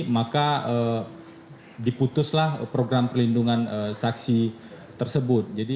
maka diputuslah program perlindungan saksi tersebut